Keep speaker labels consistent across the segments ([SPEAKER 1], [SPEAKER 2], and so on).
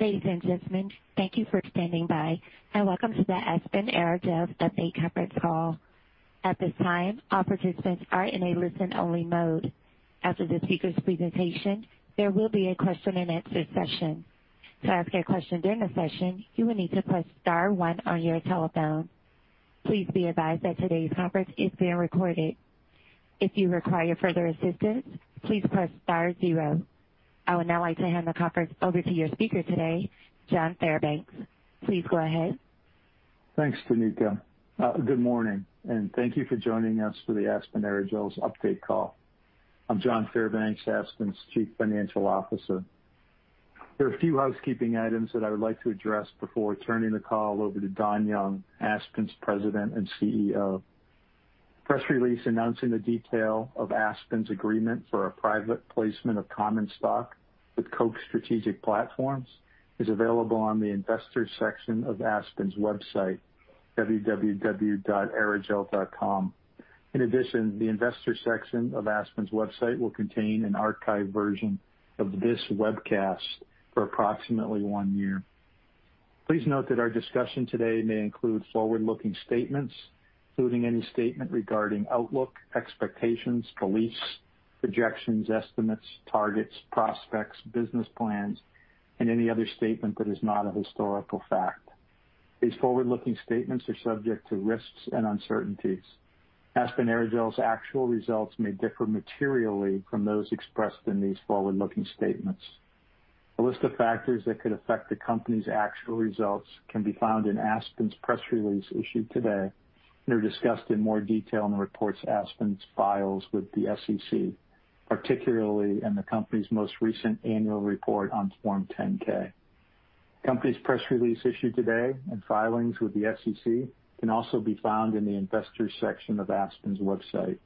[SPEAKER 1] Ladies and gentlemen, thank you for standing by and welcome to the Aspen Aerogels Update Conference Call. At this time, all participants are in a listen-only mode. After the speaker's presentation, there will be a question-and-answer session. To ask a question during the session, you will need to press star one on your telephone. Please be advised that today's conference is being recorded. If you require further assistance, please press star zero. I would now like to hand the conference over to your speaker today, John Fairbanks. Please go ahead.
[SPEAKER 2] Thanks, Danica. Good morning, and thank you for joining us for the Aspen Aerogels Update Call. I'm John Fairbanks, Aspen's Chief Financial Officer. There are a few housekeeping items that I would like to address before turning the call over to Don Young, Aspen's President and Chief Executive Officer. The press release announcing the detail of Aspen's agreement for a private placement of common stock with Koch Strategic Platforms is available on the investor section of Aspen's website, www.aerogels.com. In addition, the investor section of Aspen's website will contain an archived version of this webcast for approximately one year. Please note that our discussion today may include forward-looking statements, including any statement regarding outlook, expectations, beliefs, projections, estimates, targets, prospects, business plans, and any other statement that is not a historical fact. These forward-looking statements are subject to risks and uncertainties. Aspen Aerogels' actual results may differ materially from those expressed in these forward-looking statements. A list of factors that could affect the company's actual results can be found in Aspen's press release issued today and are discussed in more detail in the reports Aspen files with the SEC, particularly in the company's most recent annual report on Form 10-K. The company's press release issued today and filings with the SEC can also be found in the investor section of Aspen's website.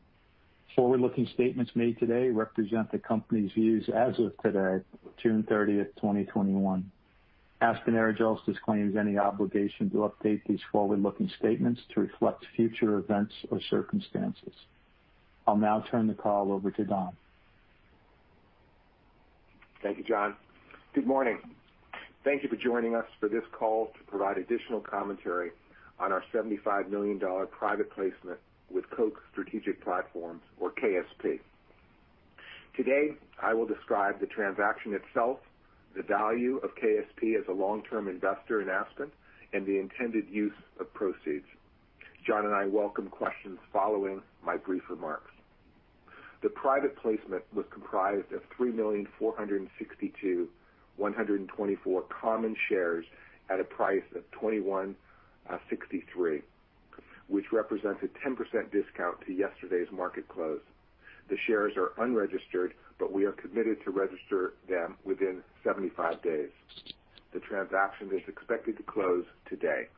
[SPEAKER 2] Forward-looking statements made today represent the company's views as of today, June 30th, 2021. Aspen Aerogels disclaims any obligation to update these forward-looking statements to reflect future events or circumstances. I'll now turn the call over to Don.
[SPEAKER 3] Thank you, John. Good morning. Thank you for joining us for this call to provide additional commentary on our $75 million private placement with Koch Strategic Platforms, or KSP. Today, I will describe the transaction itself, the value of KSP as a long-term investor in Aspen, and the intended use of proceeds. John and I welcome questions following my brief remarks. The private placement was comprised of 3,462,124 common shares at a price of $21.63, which represents a 10% discount to yesterday's market close. The shares are unregistered, but we are committed to register them within 75 days. The transaction is expected to close today.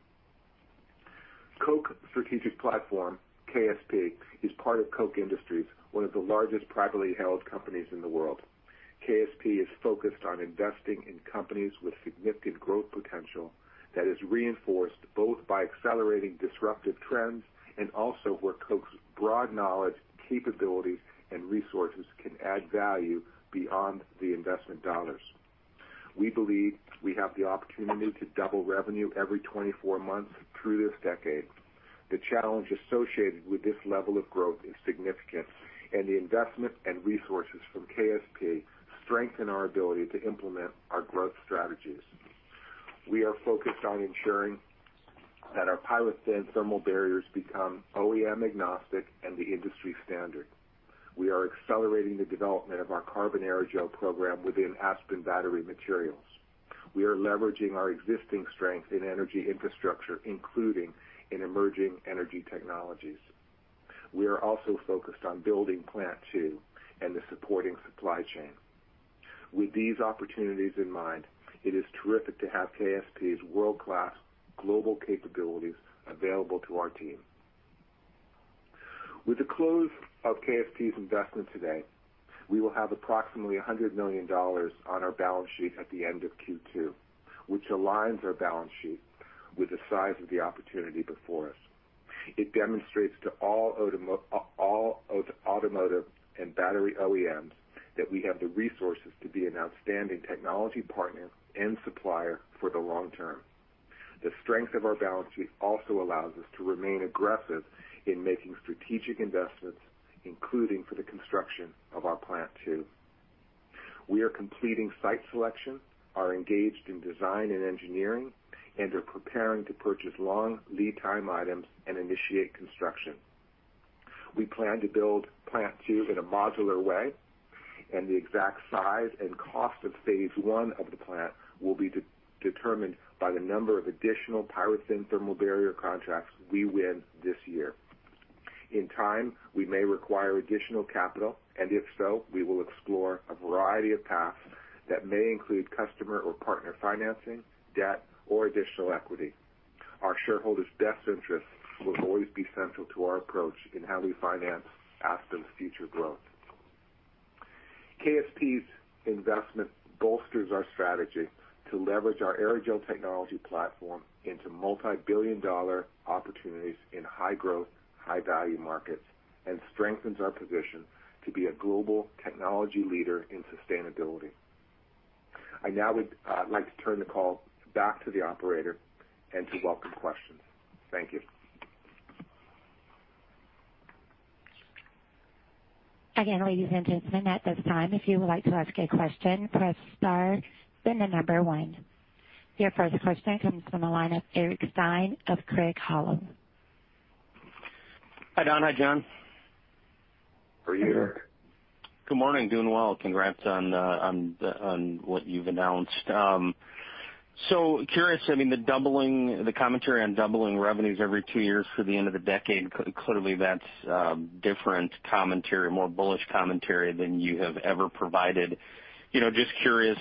[SPEAKER 3] Koch Strategic Platforms, KSP, is part of Koch Industries, one of the largest privately held companies in the world. KSP is focused on investing in companies with significant growth potential that is reinforced both by accelerating disruptive trends and also where Koch's broad knowledge, capabilities, and resources can add value beyond the investment dollars. We believe we have the opportunity to double revenue every 24 months through this decade. The challenge associated with this level of growth is significant, and the investment and resources from KSP strengthen our ability to implement our growth strategies. We are focused on ensuring that our PyroThin thermal barriers become OEM-agnostic and the industry standard. We are accelerating the development of our carbon aerogel program within Aspen Battery Materials. We are leveraging our existing strength in energy infrastructure, including in emerging energy technologies. We are also focused on building plant two and the supporting supply chain. With these opportunities in mind, it is terrific to have KSP's world-class global capabilities available to our team. With the close of KSP's investment today, we will have approximately $100 million on our balance sheet at the end of Q2, which aligns our balance sheet with the size of the opportunity before us. It demonstrates to all automotive and battery OEMs that we have the resources to be an outstanding technology partner and supplier for the long-term. The strength of our balance sheet also allows us to remain aggressive in making strategic investments, including for the construction of our Plant two We are completing site selection, are engaged in design and engineering, and are preparing to purchase long lead-time items and initiate construction. We plan to build plant two in a modular way, and the exact size and cost of phase one of the plant will be determined by the number of additional PyroThin thermal barrier contracts we win this year. In time, we may require additional capital, and if so, we will explore a variety of paths that may include customer or partner financing, debt, or additional equity. Our shareholders' best interests will always be central to our approach in how we finance Aspen's future growth. KSP's investment bolsters our strategy to leverage our aerogel technology platform into multi-billion-dollar opportunities in high-growth, high-value markets and strengthens our position to be a global technology leader in sustainability. I now would like to turn the call back to the operator and to welcome questions. Thank you.
[SPEAKER 1] Again, ladies and gentlemen, at this time, if you would like to ask a question, press star then the number one. Your first question comes from the line of Eric Stine of Craig-Hallum.
[SPEAKER 4] Hi, Don. Hi, John.
[SPEAKER 3] How are you, Eric?
[SPEAKER 4] Good morning. Doing well. Congrats on what you've announced. So curious, I mean, the commentary on doubling revenues every two years for the end of the decade, clearly that's different commentary, more bullish commentary than you have ever provided. Just curious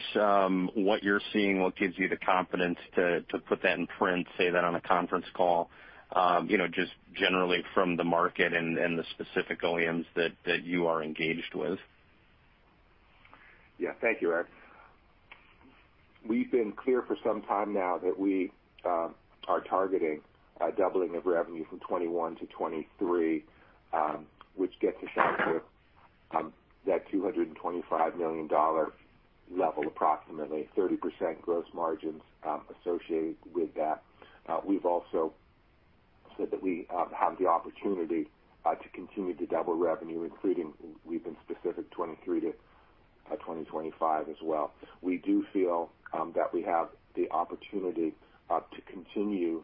[SPEAKER 4] what you're seeing, what gives you the confidence to put that in print, say that on a conference call, just generally from the market and the specific OEMs that you are engaged with.
[SPEAKER 3] Yeah. Thank you, Eric. We've been clear for some time now that we are targeting a doubling of revenue from 2021 to 2023, which gets us out to that $225 million level, approximately 30% gross margins associated with that. We've also said that we have the opportunity to continue to double revenue, including we've been specific 2023 to 2025 as well. We do feel that we have the opportunity to continue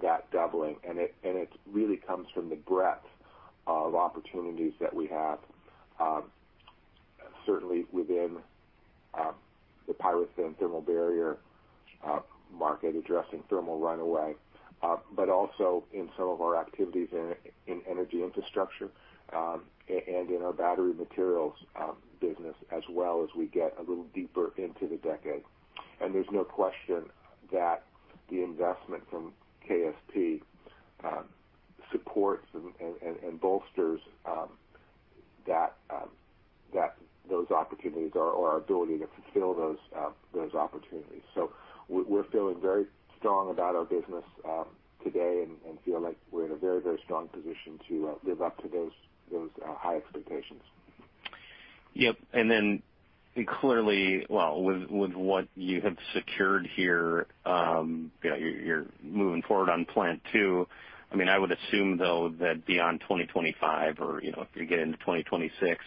[SPEAKER 3] that doubling, and it really comes from the breadth of opportunities that we have, certainly within the PyroThin thermal barrier market addressing thermal runaway, but also in some of our activities in energy infrastructure and in our battery materials business as well as we get a little deeper into the decade. And there's no question that the investment from KSP supports and bolsters those opportunities or our ability to fulfill those opportunities. So we're feeling very strong about our business today and feel like we're in a very, very strong position to live up to those high expectations.
[SPEAKER 4] Yep. And then clearly, well, with what you have secured here, you're moving forward on Plant two I mean, I would assume, though, that beyond 2025 or if you're getting to 2026,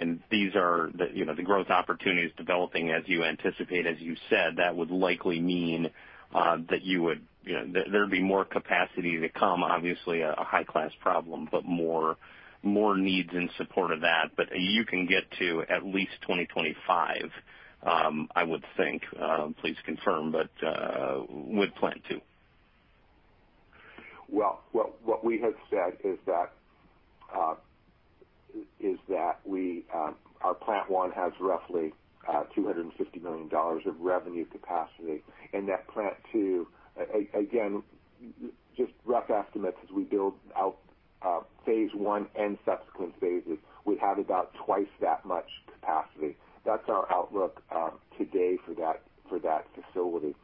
[SPEAKER 4] and these are the growth opportunities developing as you anticipate, as you said, that would likely mean that there'd be more capacity to come, obviously a high-class problem, but more needs in support of that. But you can get to at least 2025, I would think. Please confirm, but with Plant two.
[SPEAKER 3] What we have said is that our plant one has roughly $250 million of revenue capacity, and that plant two, again, just rough estimates as we build out phase 1 and subsequent phases, would have about twice that much capacity. That's our outlook today for that facility.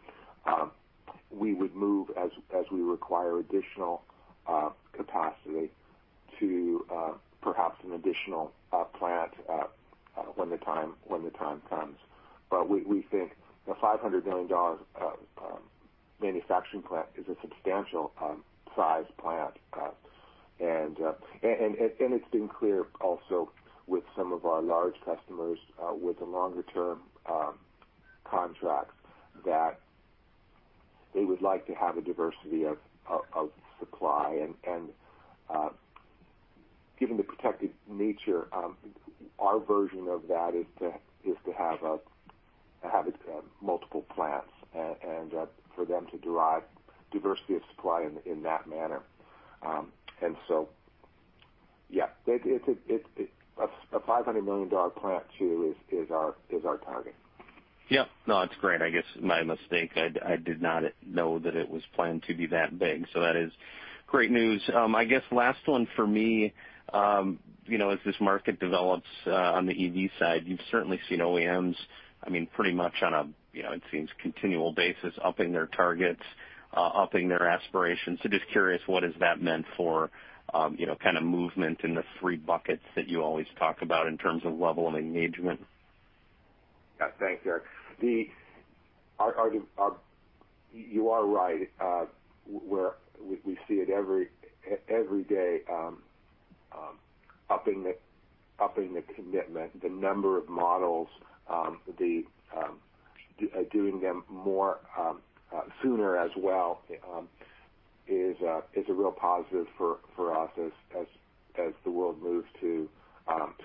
[SPEAKER 3] We would move as we require additional capacity to perhaps an additional plant when the time comes. But we think the $500 million manufacturing plant is a substantial-sized plant. And it's been clear also with some of our large customers with the longer-term contracts that they would like to have a diversity of supply. And given the protected nature, our version of that is to have multiple plants and for them to derive diversity of supply in that manner. And so, yeah, a $500 million plant two is our target.
[SPEAKER 4] Yep. No, that's great. I guess my mistake. I did not know that it was planned to be that big. So that is great news. I guess last one for me as this market develops on the EV side, you've certainly seen OEMs, I mean, pretty much on a, it seems, continual basis upping their targets, upping their aspirations. So just curious, what has that meant for kind of movement in the three buckets that you always talk about in terms of level of engagement?
[SPEAKER 3] Yeah. Thank you, Eric. You are right. We see it every day upping the commitment. The number of models, doing them sooner as well is a real positive for us as the world moves to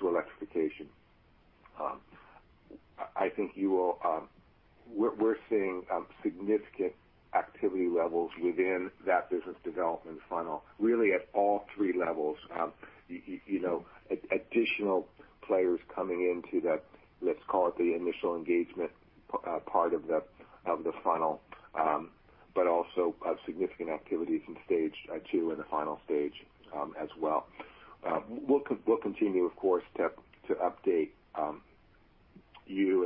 [SPEAKER 3] electrification. I think we're seeing significant activity levels within that business development funnel, really at all three levels. Additional players coming into the, let's call it the initial engagement part of the funnel, but also significant activities in stage two and the final stage as well. We'll continue, of course, to update you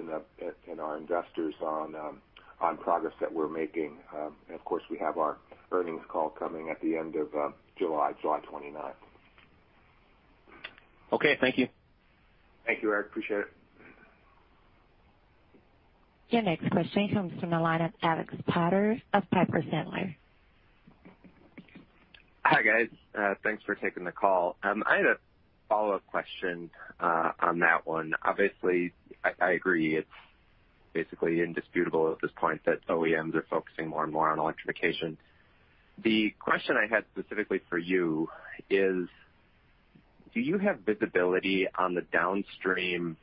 [SPEAKER 3] and our investors on progress that we're making, and of course, we have our earnings call coming at the end of July, July 29th.
[SPEAKER 4] Okay. Thank you.
[SPEAKER 3] Thank you, Eric. Appreciate it.
[SPEAKER 1] Your next question comes from the line of Alex Potter of Piper Sandler.
[SPEAKER 5] Hi, guys. Thanks for taking the call. I had a follow-up question on that one. Obviously, I agree. It's basically indisputable at this point that OEMs are focusing more and more on electrification. The question I had specifically for you is, do you have visibility on the downstream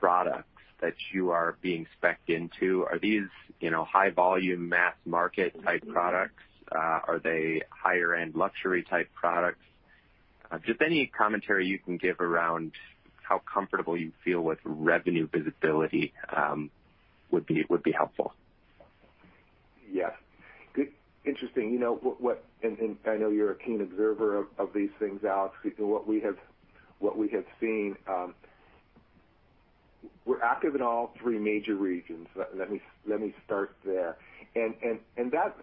[SPEAKER 5] products that you are being specced into? Are these high-volume mass market type products? Are they higher-end luxury type products? Just any commentary you can give around how comfortable you feel with revenue visibility would be helpful.
[SPEAKER 3] Yes. Interesting. And I know you're a keen observer of these things, Alex. What we have seen, we're active in all three major regions. Let me start there. And that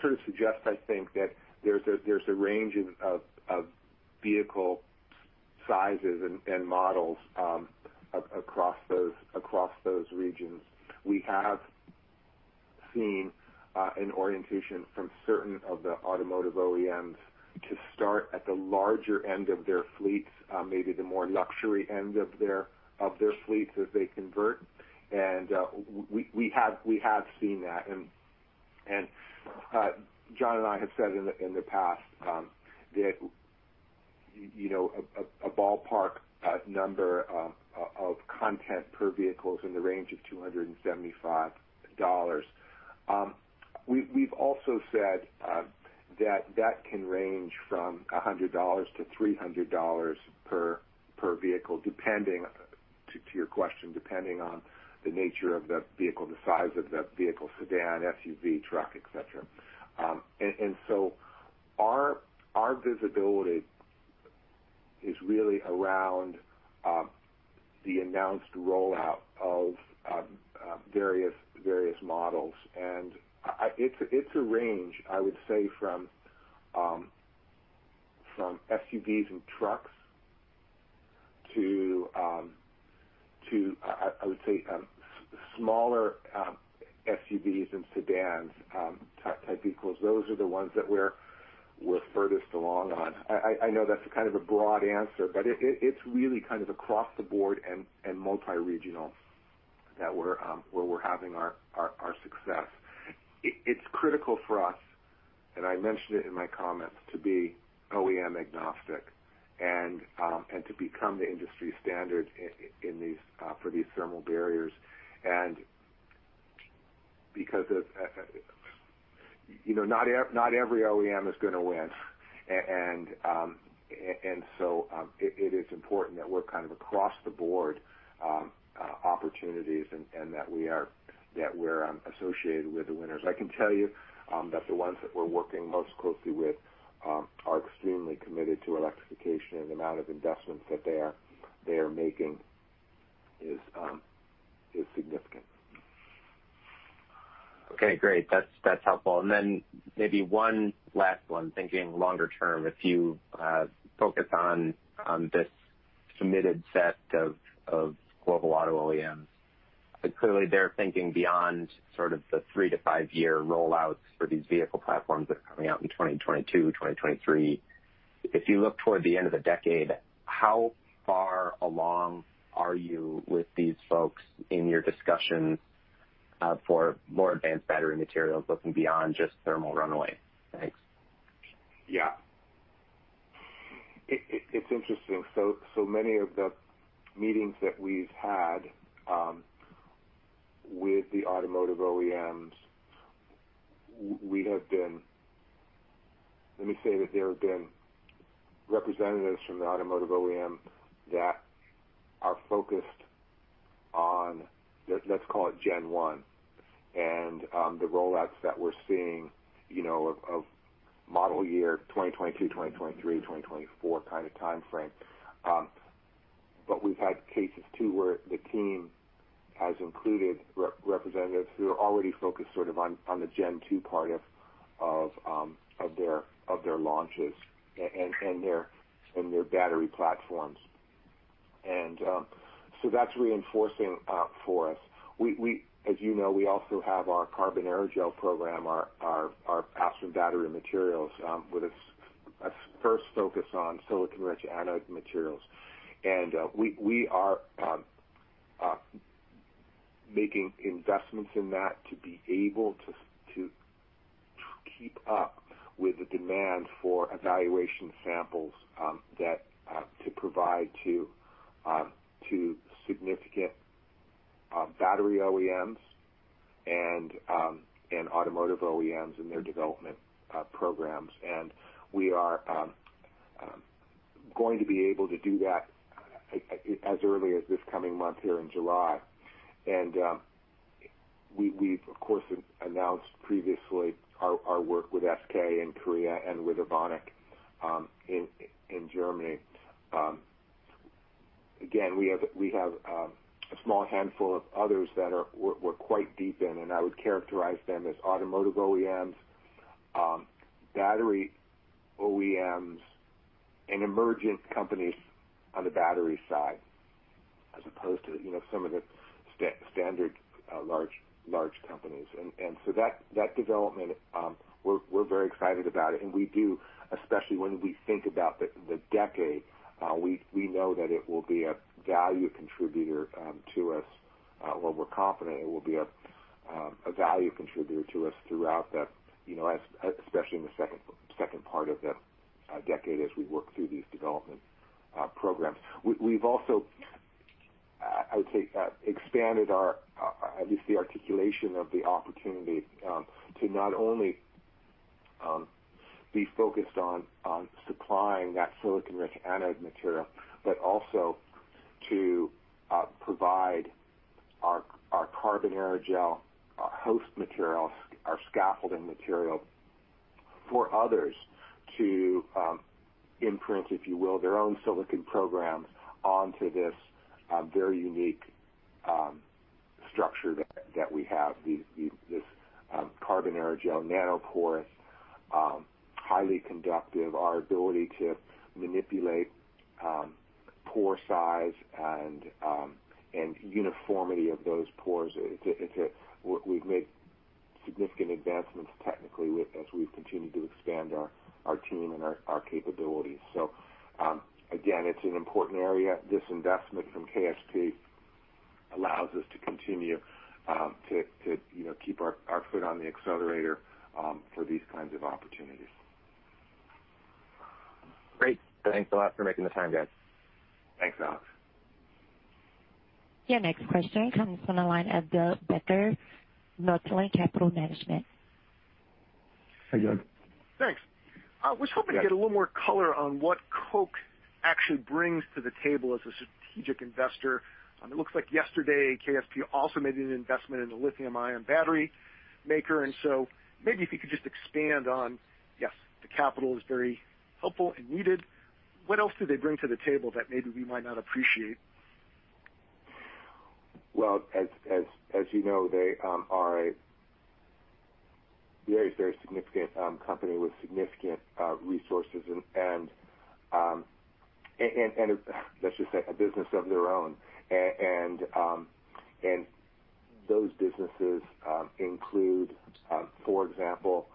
[SPEAKER 3] sort of suggests, I think, that there's a range of vehicle sizes and models across those regions. We have seen an orientation from certain of the automotive OEMs to start at the larger end of their fleets, maybe the more luxury end of their fleets as they convert. And we have seen that. And John and I have said in the past that a ballpark number of content per vehicle is in the range of $275. We've also said that that can range from $100-$300 per vehicle, to your question, depending on the nature of the vehicle, the size of the vehicle, sedan, SUV, truck, etc. And so our visibility is really around the announced rollout of various models. And it's a range, I would say, from SUVs and trucks to, I would say, smaller SUVs and sedans type vehicles. Those are the ones that we're furthest along on. I know that's kind of a broad answer, but it's really kind of across the board and multi-regional that we're having our success. It's critical for us, and I mentioned it in my comments, to be OEM-agnostic and to become the industry standard for these thermal barriers. And because not every OEM is going to win. And so it is important that we're kind of across-the-board opportunities and that we're associated with the winners. I can tell you that the ones that we're working most closely with are extremely committed to electrification, and the amount of investments that they are making is significant.
[SPEAKER 5] Okay. Great. That's helpful. And then maybe one last one, thinking longer-term, if you focus on this committed set of global auto OEMs, clearly they're thinking beyond sort of the three- to five-year rollouts for these vehicle platforms that are coming out in 2022, 2023. If you look toward the end of the decade, how far along are you with these folks in your discussion for more advanced battery materials looking beyond just thermal runaway? Thanks.
[SPEAKER 3] Yeah. It's interesting. So many of the meetings that we've had with the automotive OEMs, we have been, let me say that there have been representatives from the automotive OEM that are focused on, let's call it, Gen one and the rollouts that we're seeing of model year 2022, 2023, 2024 kind of timeframe. But we've had cases too where the team has included representatives who are already focused sort of on the Gen two part of their launches and their battery platforms. And so that's reinforcing for us. As you know, we also have our carbon aerogel program, our Aspen Battery Materials, with a first focus on silicon-rich anode materials. And we are making investments in that to be able to keep up with the demand for evaluation samples to provide to significant battery OEMs and automotive OEMs in their development programs. And we are going to be able to do that as early as this coming month here in July. And we've, of course, announced previously our work with SK in Korea and with Evonik in Germany. Again, we have a small handful of others that we're quite deep in, and I would characterize them as automotive OEMs, battery OEMs, and emergent companies on the battery side as opposed to some of the standard large companies. And so that development, we're very excited about it. And we do, especially when we think about the decade, we know that it will be a value contributor to us, or we're confident it will be a value contributor to us throughout the, especially in the second part of the decade as we work through these development programs. We've also, I would say, expanded at least the articulation of the opportunity to not only be focused on supplying that silicon-rich anode material, but also to provide our carbon aerogel, our host materials, our scaffolding material for others to imprint, if you will, their own silicon programs onto this very unique structure that we have, this carbon aerogel nanoporous, highly conductive, our ability to manipulate pore size and uniformity of those pores. We've made significant advancements technically as we've continued to expand our team and our capabilities. So again, it's an important area. This investment from KSP allows us to continue to keep our foot on the accelerator for these kinds of opportunities.
[SPEAKER 5] Great. Thanks a lot for making the time, guys.
[SPEAKER 3] Thanks, Alex.
[SPEAKER 1] Your next question comes from the line of Bill Becker, Northpoint Capital Management.
[SPEAKER 3] Hey, Doug.
[SPEAKER 6] Thanks. I was hoping to get a little more color on what Koch actually brings to the table as a strategic investor. It looks like yesterday KSP also made an investment in a lithium-ion battery maker. And so maybe if you could just expand on, yes, the capital is very helpful and needed. What else do they bring to the table that maybe we might not appreciate?
[SPEAKER 3] Well, as you know, they are a very, very significant company with significant resources and, let's just say, a business of their own. And those businesses include, for example,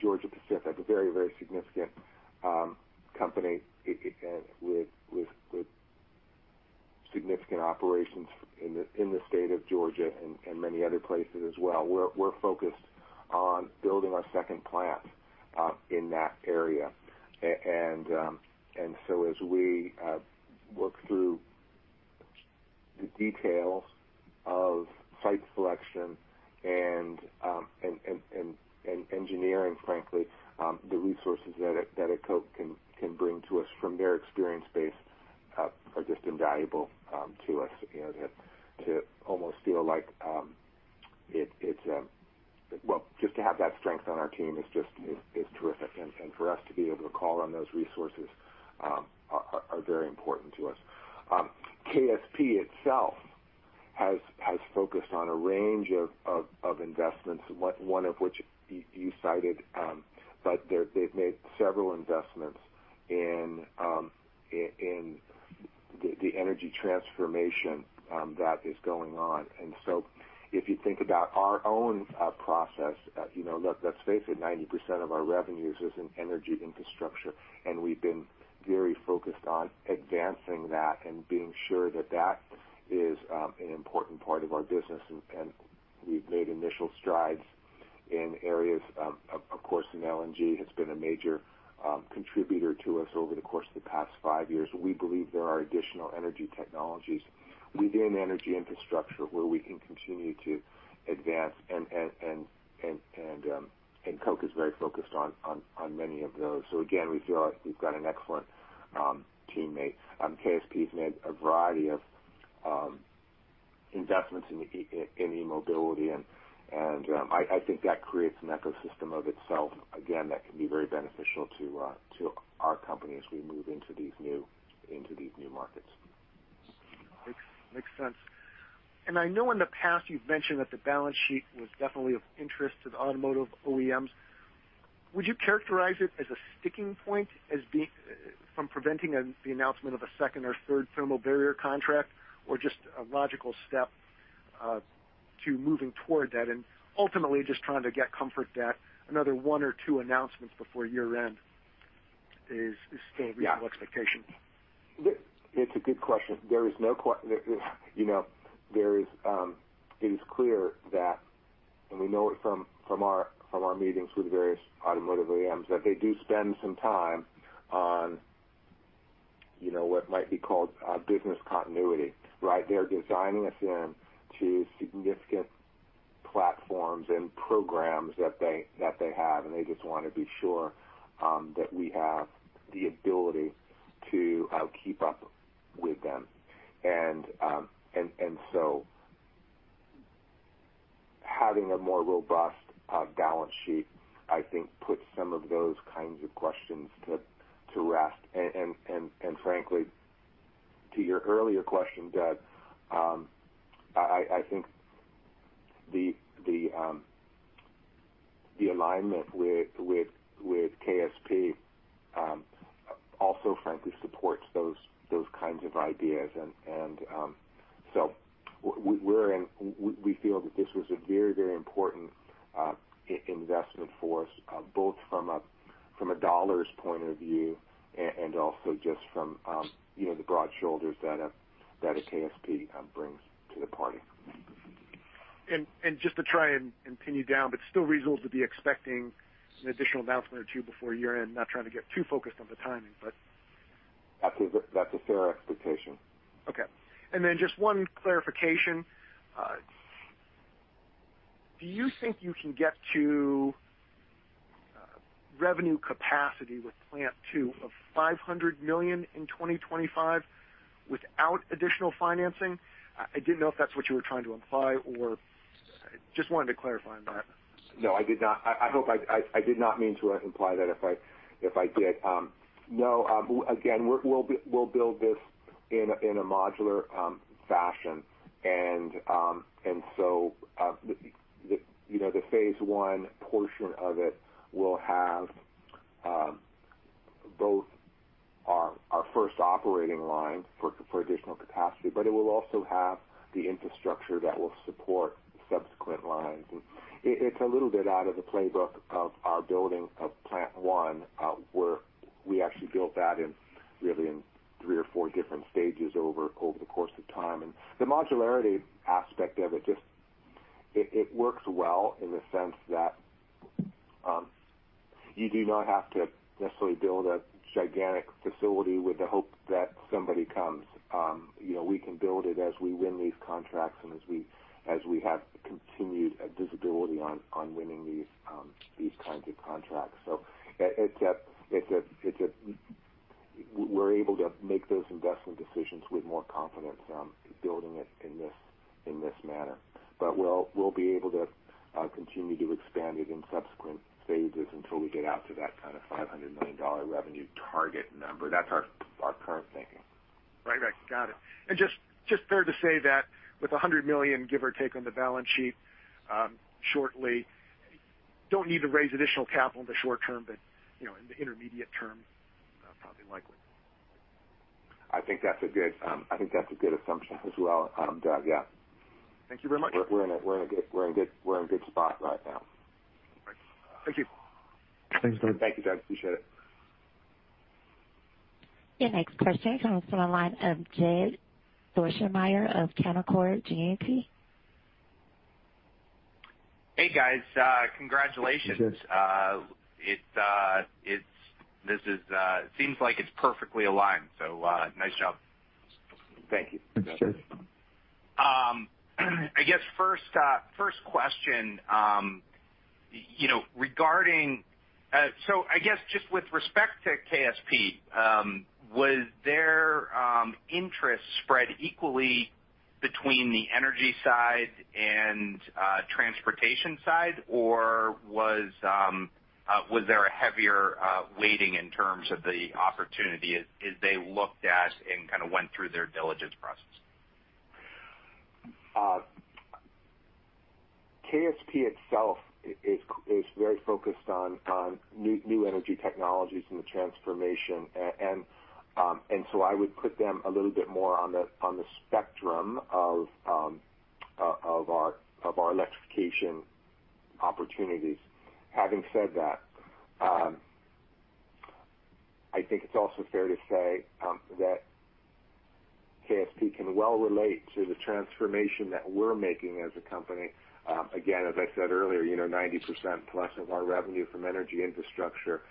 [SPEAKER 3] Georgia-Pacific, a very, very significant company with significant operations in the state of Georgia and many other places as well. We're focused on building our second plant in that area. And so as we work through the details of site selection and engineering, frankly, the resources that a Koch can bring to us from their experience base are just invaluable to us. To almost feel like it's, well, just to have that strength on our team is terrific. And for us to be able to call on those resources are very important to us. KSP itself has focused on a range of investments, one of which you cited, but they've made several investments in the energy transformation that is going on. And so, if you think about our own process, let's face it, 90% of our revenues is in energy infrastructure. And we've been very focused on advancing that and being sure that that is an important part of our business. And we've made initial strides in areas. Of course, in LNG, it's been a major contributor to us over the course of the past five years. We believe there are additional energy technologies within energy infrastructure where we can continue to advance. And Koch is very focused on many of those. So again, we feel like we've got an excellent teammate. KSP has made a variety of investments in e-mobility. And I think that creates an ecosystem of itself, again, that can be very beneficial to our company as we move into these new markets.
[SPEAKER 6] Makes sense. And I know in the past you've mentioned that the balance sheet was definitely of interest to the automotive OEMs. Would you characterize it as a sticking point from preventing the announcement of a second or third thermal barrier contract or just a logical step to moving toward that? And ultimately, just trying to get comfort that another one or two announcements before year-end is still a reasonable expectation.
[SPEAKER 3] It's a good question. There is no. It is clear that, and we know it from our meetings with various automotive OEMs, that they do spend some time on what might be called business continuity, right? They're designing us into significant platforms and programs that they have. And they just want to be sure that we have the ability to keep up with them. And so having a more robust balance sheet, I think, puts some of those kinds of questions to rest. And frankly, to your earlier question, Doug, I think the alignment with KSP also, frankly, supports those kinds of ideas. And so we feel that this was a very, very important investment for us, both from a dollars point of view and also just from the broad shoulders that a KSP brings to the party.
[SPEAKER 6] And just to try and pin you down. But still reasonable to be expecting an additional announcement or two before year-end, not trying to get too focused on the timing, but.
[SPEAKER 3] That's a fair expectation.
[SPEAKER 6] Okay. And then just one clarification. Do you think you can get to revenue capacity with plant two of $500 million in 2025 without additional financing? I didn't know if that's what you were trying to imply or just wanted to clarify on that.
[SPEAKER 3] No, I did not. I hope I did not mean to imply that if I did. No. Again, we'll build this in a modular fashion. And so the phase one portion of it will have both our first operating line for additional capacity, but it will also have the infrastructure that will support subsequent lines. And it's a little bit out of the playbook of our building of plant one where we actually built that in really three or four different stages over the course of time. And the modularity aspect of it, it works well in the sense that you do not have to necessarily build a gigantic facility with the hope that somebody comes. We can build it as we win these contracts and as we have continued visibility on winning these kinds of contracts. So we're able to make those investment decisions with more confidence building it in this manner. But we'll be able to continue to expand it in subsequent phases until we get out to that kind of $500 million revenue target number. That's our current thinking.
[SPEAKER 6] Right, right. Got it. And just fair to say that with $100 million, give or take, on the balance sheet shortly, don't need to raise additional capital in the short term, but in the intermediate term, probably likely.
[SPEAKER 3] I think that's a good assumption as well, Doug. Yeah.
[SPEAKER 6] Thank you very much.
[SPEAKER 3] We're in a good spot right now.
[SPEAKER 6] All right. Thank you.
[SPEAKER 2] Thanks, Doug.
[SPEAKER 3] Thank you, Doug. Appreciate it.
[SPEAKER 1] Your next question comes from the line of Jed Dorsheimer of Canaccord Genuity.
[SPEAKER 7] Hey, guys. Congratulations. This seems like it's perfectly aligned. So nice job.
[SPEAKER 3] Thank you.
[SPEAKER 2] That's good.
[SPEAKER 7] I guess first question regarding, so I guess just with respect to KSP, was their interest spread equally between the energy side and transportation side, or was there a heavier weighting in terms of the opportunity as they looked at and kind of went through their diligence process?
[SPEAKER 3] KSP itself is very focused on new energy technologies and the transformation, and so I would put them a little bit more on the spectrum of our electrification opportunities. Having said that, I think it's also fair to say that KSP can well relate to the transformation that we're making as a company. Again, as I said earlier, 90% plus of our revenue from energy infrastructure.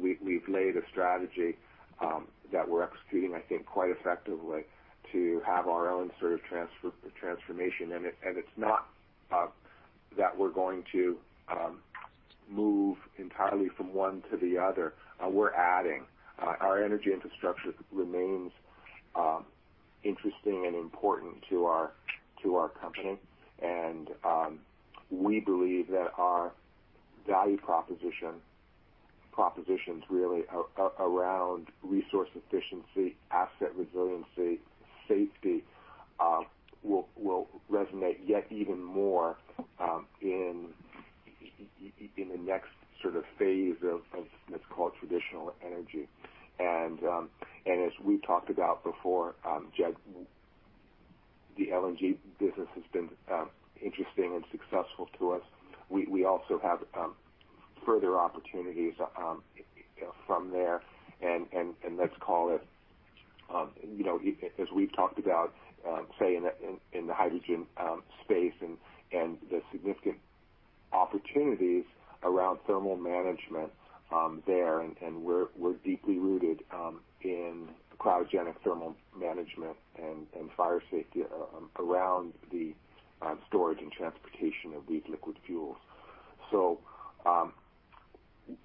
[SPEAKER 3] We've laid a strategy that we're executing, I think, quite effectively to have our own sort of transformation, and it's not that we're going to move entirely from one to the other. We're adding. Our energy infrastructure remains interesting and important to our company, and we believe that our value propositions, really, around resource efficiency, asset resiliency, safety will resonate yet even more in the next sort of phase of what's called traditional energy. And as we've talked about before, Jed, the LNG business has been interesting and successful to us. We also have further opportunities from there. And let's call it, as we've talked about, say, in the hydrogen space and the significant opportunities around thermal management there. And we're deeply rooted in cryogenic thermal management and fire safety around the storage and transportation of these liquid fuels. So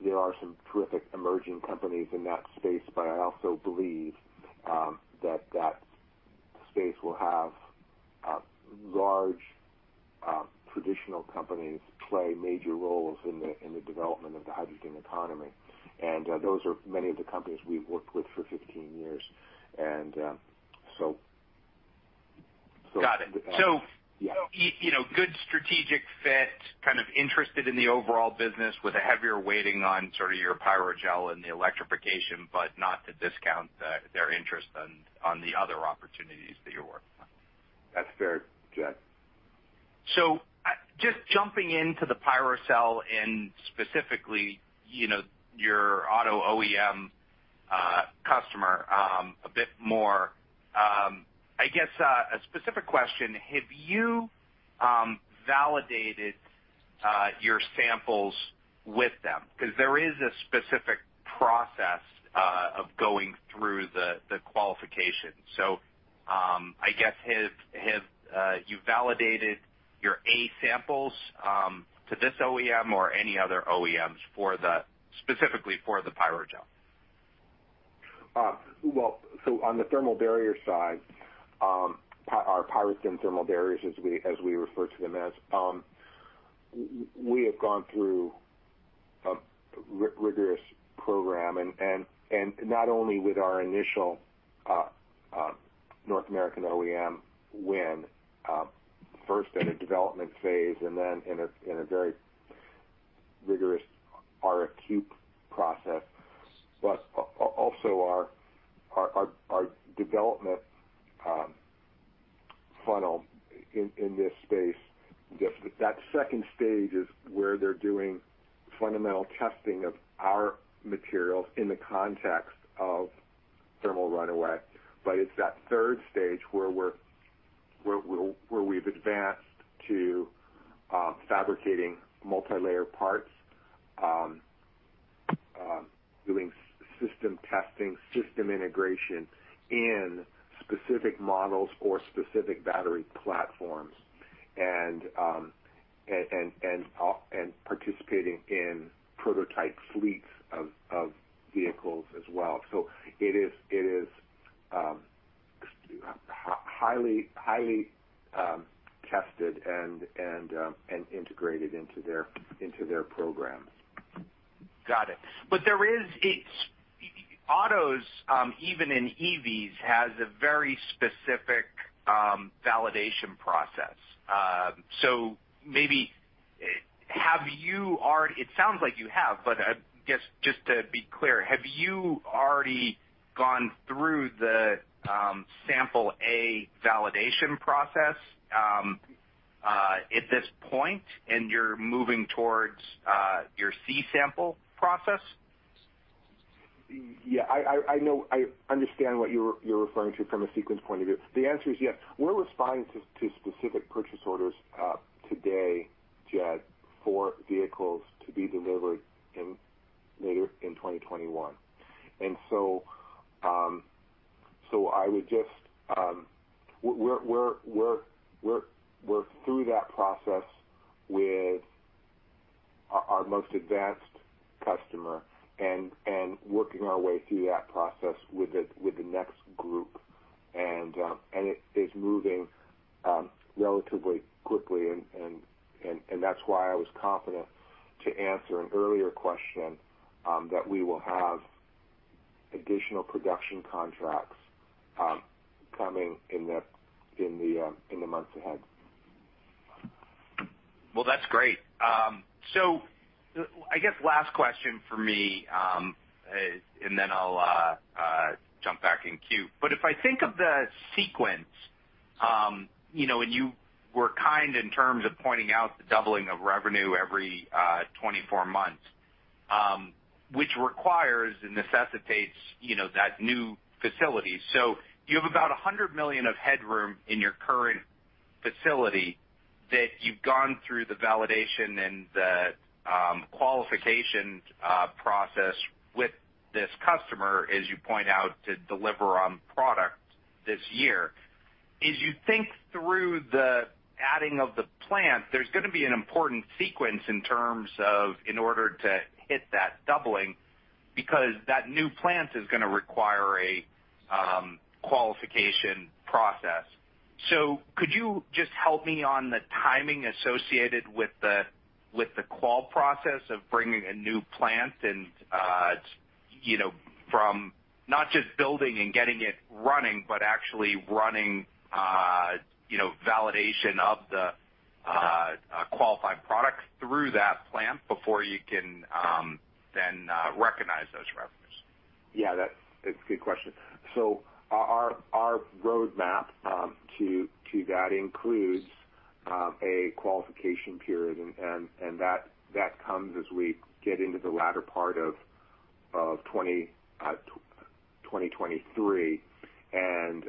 [SPEAKER 3] there are some terrific emerging companies in that space, but I also believe that that space will have large traditional companies play major roles in the development of the hydrogen economy. And those are many of the companies we've worked with for 15 years. And so.
[SPEAKER 7] Got it. So good strategic fit, kind of interested in the overall business with a heavier weighting on sort of your Pyrogel and the electrification, but not to discount their interest on the other opportunities that you're working on.
[SPEAKER 3] That's fair, Jed.
[SPEAKER 7] So just jumping into the PyroThin and specifically your auto OEM customer a bit more, I guess a specific question. Have you validated your samples with them? Because there is a specific process of going through the qualification. So I guess have you validated your A samples to this OEM or any other OEMs specifically for the Pyrogel?
[SPEAKER 3] Well, so on the thermal barrier side, our PyroThin thermal barriers, as we refer to them as, we have gone through a rigorous program. And not only with our initial North American OEM win, first at a development phase and then in a very rigorous RFQ process, but also our development funnel in this space. That second stage is where they're doing fundamental testing of our materials in the context of thermal runaway. But it's that third stage where we've advanced to fabricating multi-layer parts, doing system testing, system integration in specific models or specific battery platforms, and participating in prototype fleets of vehicles as well. So it is highly tested and integrated into their programs.
[SPEAKER 7] Got it. But autos, even in EVs, has a very specific validation process. So maybe have you already, it sounds like you have, but I guess just to be clear, have you already gone through the sample A validation process at this point, and you're moving towards your C sample process?
[SPEAKER 3] Yeah. I understand what you're referring to from a sequence point of view. The answer is yes. We're responding to specific purchase orders today, Jed, for vehicles to be delivered later in 2021. And so I would just, we're through that process with our most advanced customer and working our way through that process with the next group. And it is moving relatively quickly. And that's why I was confident to answer an earlier question that we will have additional production contracts coming in the months ahead.
[SPEAKER 7] Well, that's great. So I guess last question for me, and then I'll jump back in queue. But if I think of the sequence, and you were kind in terms of pointing out the doubling of revenue every 24 months, which requires and necessitates that new facility. So you have about $100 million of headroom in your current facility that you've gone through the validation and the qualification process with this customer, as you point out, to deliver on product this year. As you think through the adding of the plant, there's going to be an important sequence in terms of in order to hit that doubling because that new plant is going to require a qualification process. So could you just help me on the timing associated with the qual process of bringing a new plant and from not just building and getting it running, but actually running validation of the qualified product through that plant before you can then recognize those revenues?
[SPEAKER 3] Yeah. That's a good question. So our roadmap to that includes a qualification period, and that comes as we get into the latter part of 2023. And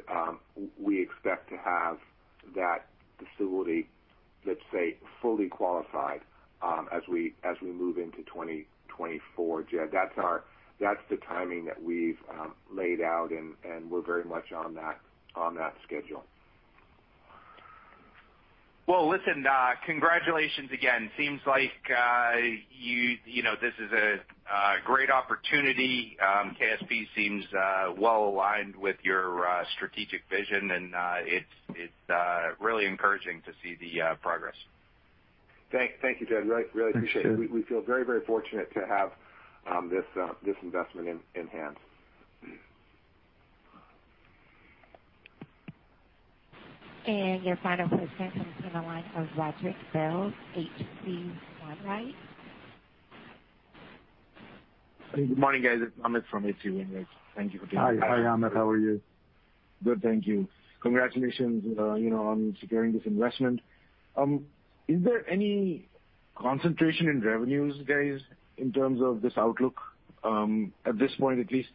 [SPEAKER 3] we expect to have that facility, let's say, fully qualified as we move into 2024, Jed. That's the timing that we've laid out, and we're very much on that schedule.
[SPEAKER 7] Listen, congratulations again. Seems like this is a great opportunity. KSP seems well aligned with your strategic vision, and it's really encouraging to see the progress.
[SPEAKER 3] Thank you, Jed. Really appreciate it. We feel very, very fortunate to have this investment in hand.
[SPEAKER 1] Your final question comes from the line of Amit Dayal, H.C. Wainwright.
[SPEAKER 8] Good morning, guys. It's Amit from H.C. Wainwright. Thank you for being here.
[SPEAKER 2] Hi, Amit. How are you?
[SPEAKER 8] Good. Thank you. Congratulations on securing this investment. Is there any concentration in revenues, guys, in terms of this outlook at this point, at least?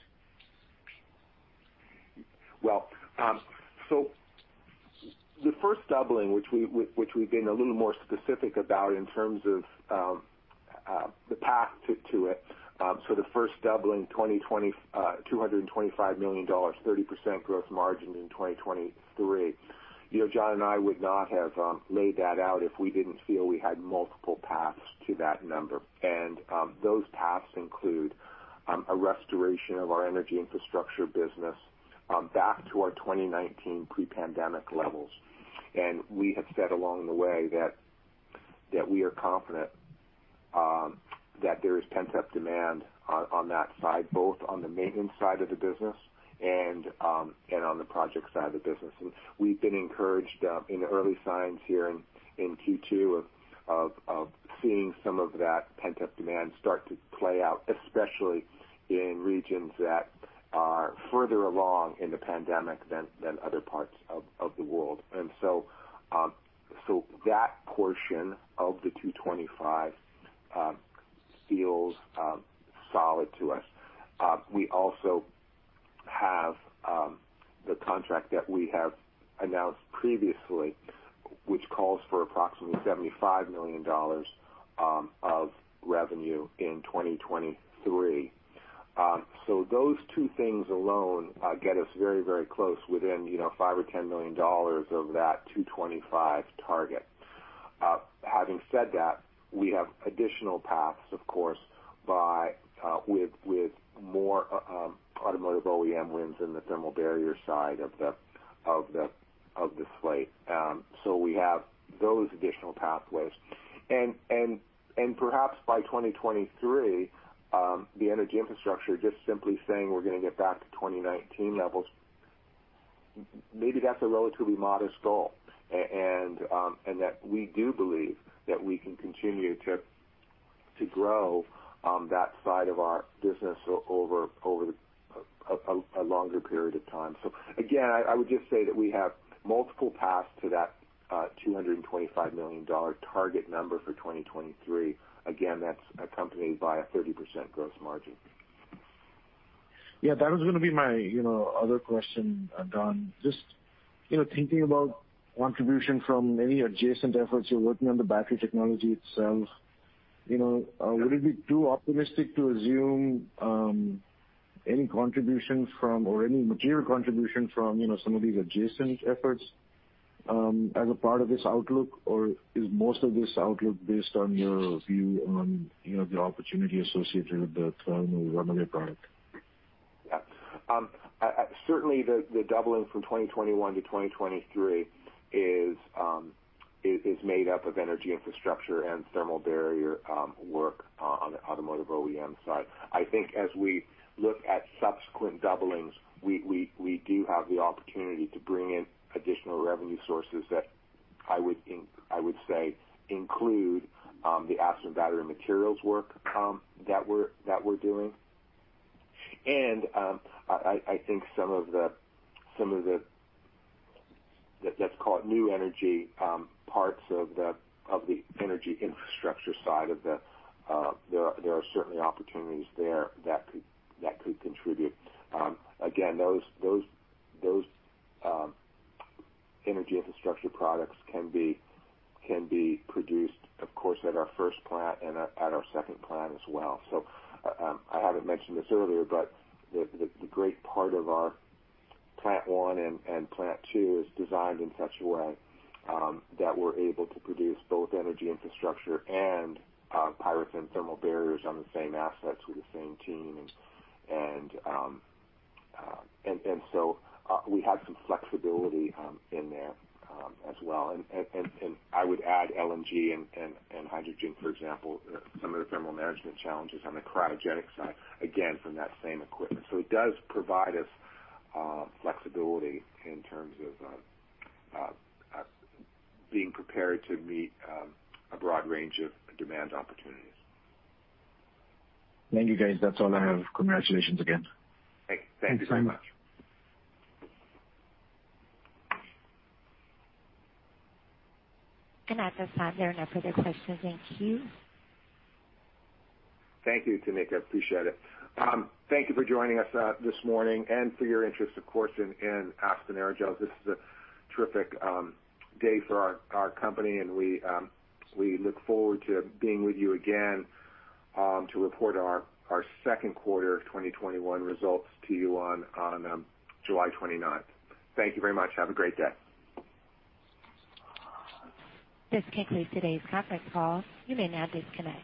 [SPEAKER 3] Well, so the first doubling, which we've been a little more specific about in terms of the path to it. So the first doubling, $225 million, 30% gross margin in 2023. John and I would not have laid that out if we didn't feel we had multiple paths to that number. And those paths include a restoration of our energy infrastructure business back to our 2019 pre-pandemic levels. And we have said along the way that we are confident that there is pent-up demand on that side, both on the maintenance side of the business and on the project side of the business. And we've been encouraged in the early signs here in Q2 of seeing some of that pent-up demand start to play out, especially in regions that are further along in the pandemic than other parts of the world. So that portion of the 225 feels solid to us. We also have the contract that we have announced previously, which calls for approximately $75 million of revenue in 2023. So those two things alone get us very, very close within five or 10 million dollars of that 225 target. Having said that, we have additional paths, of course, with more automotive OEM wins in the thermal barrier side of the slate. So we have those additional pathways. And perhaps by 2023, the energy infrastructure, just simply saying we're going to get back to 2019 levels, maybe that's a relatively modest goal. And we do believe that we can continue to grow that side of our business over a longer period of time. So again, I would just say that we have multiple paths to that $225 million target number for 2023. Again, that's accompanied by a 30% growth margin.
[SPEAKER 8] Yeah. That was going to be my other question, Don. Just thinking about contribution from any adjacent efforts you're working on, the battery technology itself, would it be too optimistic to assume any contribution from or any material contribution from some of these adjacent efforts as a part of this outlook? Or is most of this outlook based on your view on the opportunity associated with the thermal runaway product?
[SPEAKER 3] Yeah. Certainly, the doubling from 2021 to 2023 is made up of energy infrastructure and thermal barrier work on the automotive OEM side. I think as we look at subsequent doublings, we do have the opportunity to bring in additional revenue sources that I would say include the Aspen Battery Materials work that we're doing. And I think some of the, let's call it, new energy parts of the energy infrastructure side, there are certainly opportunities there that could contribute. Again, those energy infrastructure products can be produced, of course, at our first plant and at our second plant as well. So I haven't mentioned this earlier, but the great part of our plant one and plant two is designed in such a way that we're able to produce both energy infrastructure and PyroThin thermal barriers on the same assets with the same team. And so we have some flexibility in there as well. And I would add LNG and hydrogen, for example, some of the thermal management challenges on the cryogenic side, again, from that same equipment. So it does provide us flexibility in terms of being prepared to meet a broad range of demand opportunities.
[SPEAKER 8] Thank you, guys. That's all I have. Congratulations again.
[SPEAKER 3] Thank you so much.
[SPEAKER 1] At this time, there are no further questions. Thank you.
[SPEAKER 3] Thank you, Tamika. I appreciate it. Thank you for joining us this morning and for your interest, of course, in Aspen Aerogels. This is a terrific day for our company, and we look forward to being with you again to report our second quarter of 2021 results to you on July 29th. Thank you very much. Have a great day.
[SPEAKER 1] This concludes today's conference call. You may now disconnect.